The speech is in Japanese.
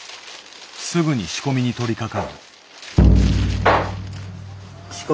すぐに仕込みに取りかかる。